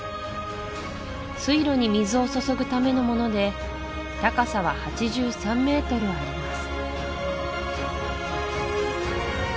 水路に水を注ぐためのもので高さは８３メートルあります